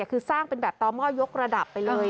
คือสร้างเป็นแบบต่อหม้อยกระดับไปเลย